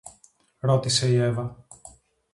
ρώτησε η Εύα